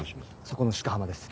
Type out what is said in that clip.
そこの鹿浜です。